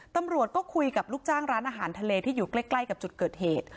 ตำรวจก็คุยกับลูกจ้างร้านอาหารทะเลที่อยู่ใกล้กับจุดเกิดเหตุ